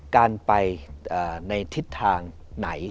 การไปในทิศทางไหน